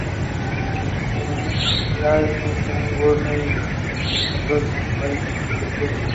De manera similar a un flap Gurney u otras variaciones.